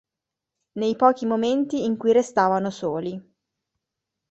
Nei pochi momenti in cui restavano soli.